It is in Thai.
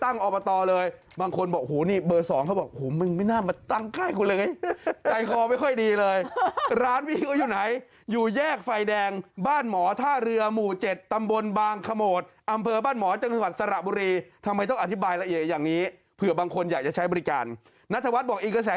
นัฐวัฒน์บอกอิงกระแสเรื่องตั้งออบตรนะครับ